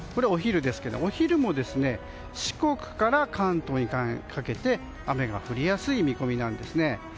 お昼も四国から関東にかけて雨が降りやすい見込みなんですね。